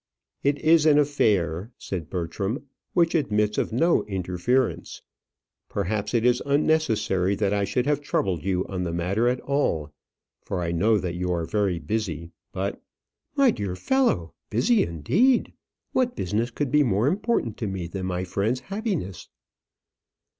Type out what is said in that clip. "It is an affair," said Bertram, "which admits of no interference. Perhaps it is unnecessary that I should have troubled you on the matter at all, for I know that you are very busy; but " "My dear fellow busy, indeed! What business could be more important to me than my friend's happiness?"